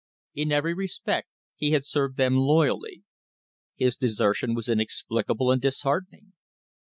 In every respect he had served them loyally. His deser tion was inexplicable and disheartening.